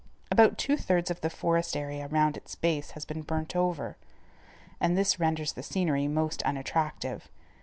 About two thirds of the forest area round its base has been burned over, and this renders the scenery most unattractive.